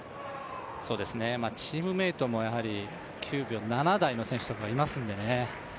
チームメイトもやはり９秒７台の選手がいますのでね